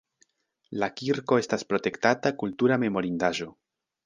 La kirko estas protektata kultura memorindaĵo.